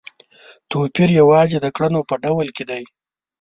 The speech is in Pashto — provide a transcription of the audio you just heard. توپیر یوازې د کړنو په ډول کې دی.